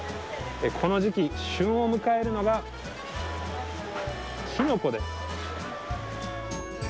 この時期旬を迎えるのが、きのこです。